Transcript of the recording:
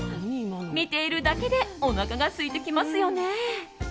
見ているだけでおなかがすいてきますよね。